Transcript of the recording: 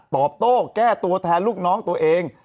ตอบโต้แก้ตัวแทนลูกน้องตัวเอง